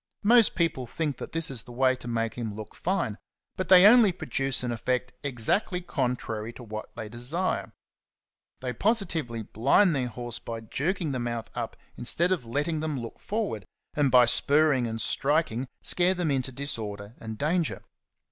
Most people think that this is the way to make him look fine; but they only produce an efTect exactly contrary to what they desire, — they positively blind their horses by jerking the mouth up instead of letting them look forward, and by spurring and striking scare them into disorder and danger.